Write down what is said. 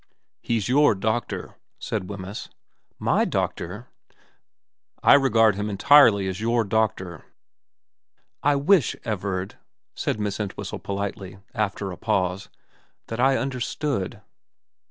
* He's your doctor,' said Wemyss. ' My doctor ?'* I regard him entirely as your doctor.' ' I wish, Everard,' said Miss Entwhistle politely, after a pause, ' that I understood.'